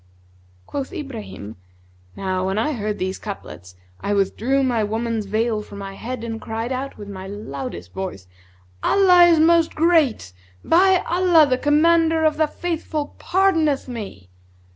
Quoth Ibrahim, "Now when I heard these couplets, I withdrew my woman's veil from my head and cried out, with my loudest voice, 'Allah is Most Great! By Allah, the Commander of the Faithful pardoneth me!'